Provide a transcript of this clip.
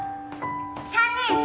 ３人。